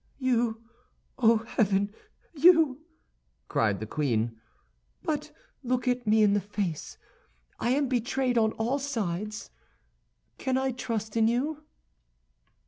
"You, oh, heaven, you!" cried the queen; "but look me in the face. I am betrayed on all sides. Can I trust in you?"